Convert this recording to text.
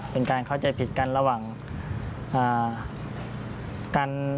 เป็นการเข้าใจผิดกันระหว่างกัน